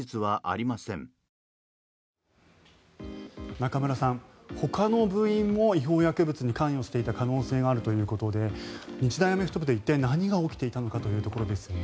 中室さんほかの部員も違法薬物に関与していた可能性があるということで日大アメフト部で一体、何が起きていたのかというところですね。